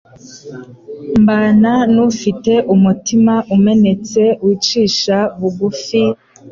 Mbana n'ufite umutima umenetse, wicisha bugufi,